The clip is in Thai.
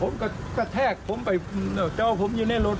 ผมก็แทกผมไปเจ้าผมอยู่ในรถ